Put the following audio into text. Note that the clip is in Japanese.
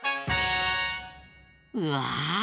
うわ！